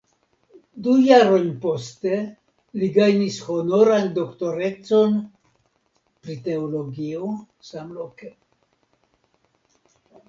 Du jarojn poste li gajnis honoran doktorecon pri teologio samloke.